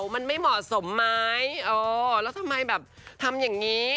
มันไม่เหมาะสมไหมเออแล้วทำไมแบบทำอย่างนี้